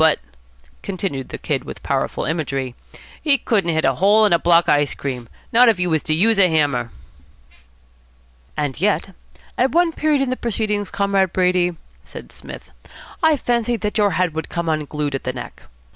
but," continued the Kid with powerful imagery, "he couldn't hit a hole in a block of ice cream, not if he was to use a hammer." "And yet at one period in the proceedings, Comrade Brady," said Psmith, "I fancied that your head would come unglued at the neck.